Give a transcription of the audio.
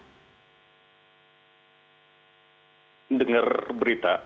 saya tentu kaget sebagai anggota keluarga saya ada di tempat bencana